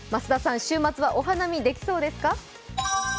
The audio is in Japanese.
週末はお花見できそうですか？